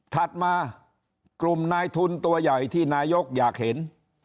ถัดมากลุ่มนายทุนตัวใหญ่ที่นายกอยากเห็น